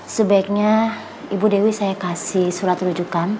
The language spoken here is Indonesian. sebaiknya ibu dewi saya kasih surat rujukan